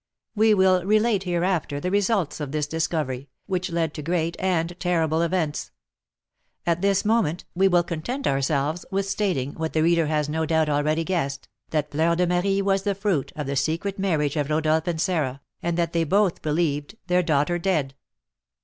We will relate hereafter the results of this discovery, which led to great and terrible events. At this moment, we will content ourselves with stating, what the reader has no doubt already guessed, that Fleur de Marie was the fruit of the secret marriage of Rodolph and Sarah, and that they both believed their daughter dead.